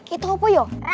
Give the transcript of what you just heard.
itu apa yuk